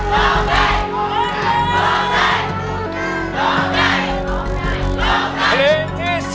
โทษให้โทษให้โทษให้โทษให้โทษให้โทษให้